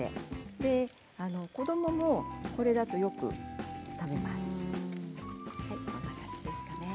子どももこれだとよく食べますよ。